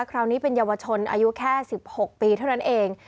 คราวนี้เป็นเยาวชนอายุแค่๑๖ปีเท่านั้นเอง